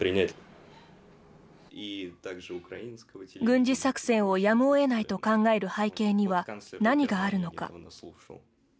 軍事作戦をやむをえないと考える背景には何があるのか。